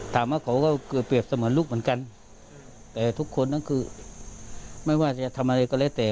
เขาก็เกือบเรียบเสมือนลูกเหมือนกันแต่ทุกคนนั้นคือไม่ว่าจะทำอะไรก็แล้วแต่